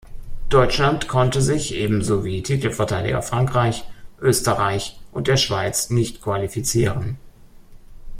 Deutschland konnte sich ebenso wie Titelverteidiger Frankreich, Österreich und der Schweiz nicht qualifizieren.